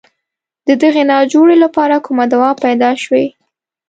د دغې ناجوړې لپاره کومه دوا پیدا شوې.